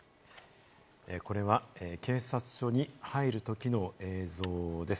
これは警察署に入るときの映像です。